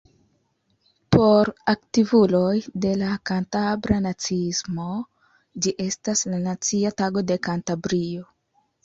Por aktivuloj de la kantabra naciismo ĝi estas la nacia tago de Kantabrio.